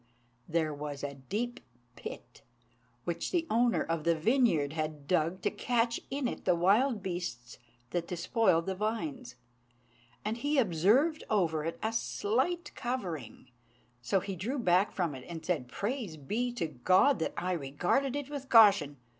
there was a deep pit, which the owner of the vineyard had dug to catch in it the wild beasts that despoiled the vines; and he observed over it a slight covering. So he drew back from it, and said, "Praise be to God that I regarded it with caution!